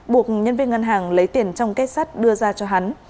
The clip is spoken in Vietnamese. buộc nhân viên ngân hàng lấy tiền trong kết sắt đưa ra cho hắn